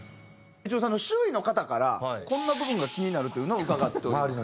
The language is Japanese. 一郎さんの周囲の方からこんな部分が気になるというのを伺っております。